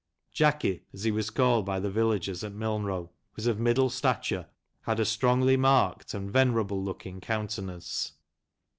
Jacky, as he was called by the villagers at Milnrow, was of middle stature, and had a strongly marked and venerable looking countenance.